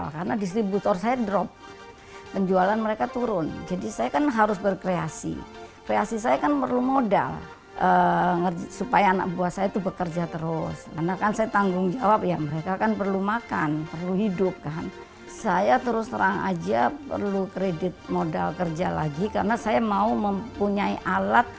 kami harus berkarya untuk menjaga kekuasaan masyarakat di indonesia